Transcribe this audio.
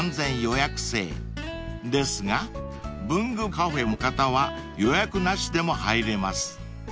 ［ですが文具カフェの方は予約なしでも入れます］